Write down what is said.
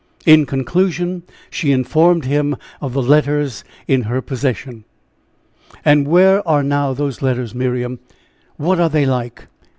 In conclusion, she informed him of the letters in her possession. "And where are now those letters, Miriam? What are they like?